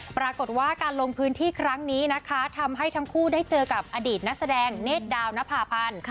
ปรากฏว่าการลงพื้นที่ครั้งนี้นะคะทำให้ทั้งคู่ได้เจอกับอดีตนักแสดงเนธดาวนภาพันธ์